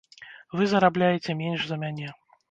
Вы зарабляеце менш за мяне.